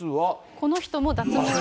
この人も脱毛。